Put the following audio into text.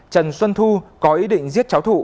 trần xuân thu có ý định giết cháu thụ